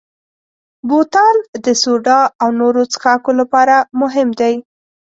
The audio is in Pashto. بوتل د سوډا او نورو څښاکو لپاره مهم دی.